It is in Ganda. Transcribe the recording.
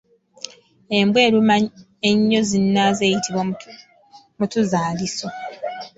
Embwa eruma ennyo zinnaazo eyitibwa Mutuzzaliiso.